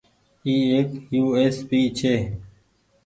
اي ايڪ يو ايس پي ڇي۔